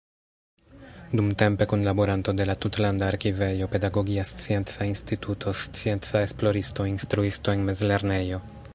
Dumtempe kunlaboranto de la Tutlanda Arkivejo, Pedagogia Scienca Instituto, scienca esploristo, instruisto en mezlernejo.